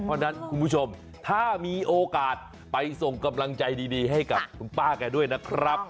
เพราะฉะนั้นคุณผู้ชมถ้ามีโอกาสไปส่งกำลังใจดีให้กับคุณป้าแกด้วยนะครับ